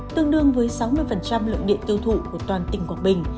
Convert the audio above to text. tương đương với sáu mươi lượng điện tiêu thụ của toàn tỉnh quảng bình